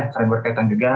sekarang berkaitan juga